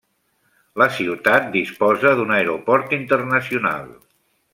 La ciutat disposa d'un aeroport internacional.